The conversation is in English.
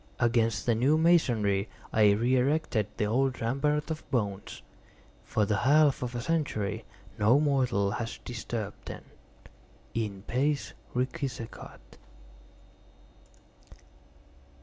Against the new masonry I re erected the old rampart of bones. For the half of a century no mortal has disturbed them. _In pace requiescat!